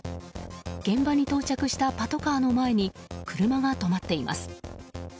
現場に到着したパトカーの前に車が止まっています。